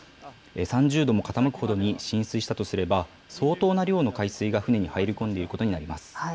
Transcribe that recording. ３０度も傾くほどに浸水したとすれば、相当な量の海水が船に入り込んでいることになります。